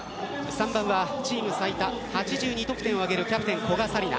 ３番はチーム最多８２得点を挙げるキャプテン、古賀紗理那。